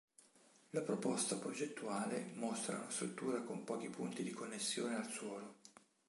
La proposta progettuale mostra una struttura con pochi punti di connessione al suolo.